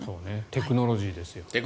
テクノロジーですよ。